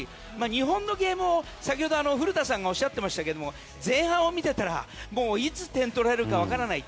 日本のゲーム、先ほど古田さんがおっしゃってましたけど前半を見ていたらいつ点を取られるか分からない。